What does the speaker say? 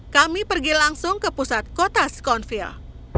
kami pergi langsung ke pusat kota sconeville